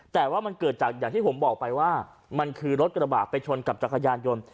แต่ว่ามันเกิดจากอย่างที่ผมบอกไปว่ามันคือรถกระบาดไปชนกับจักรยานยนต์